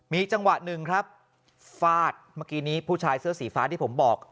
มีจังหวะหนึ่งครับฟาดเมื่อกี้นี้ผู้ชายเสื้อสีฟ้าที่ผมบอก